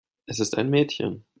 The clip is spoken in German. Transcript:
Es ist ein Mädchen.